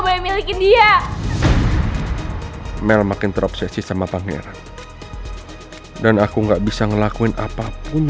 gue milikin dia mel makin terobsesi sama pangeran dan aku nggak bisa ngelakuin apapun